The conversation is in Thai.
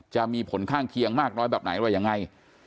จะมีผลข้างเคียงมากน้อยแบบไหนอะไรยังไง